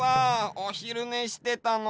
おひるねしてたのに。